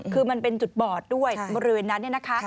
คือมันเป็นจุดบอดด้วยบริเวณนั้น